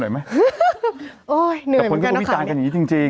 อ่อหน่อยหน่อยนะคะจะไปว่าข้อแรงไว้หน่อยไหม